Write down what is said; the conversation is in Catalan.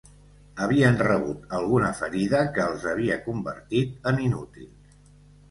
Havien rebut alguna ferida que els havia convertit en inútils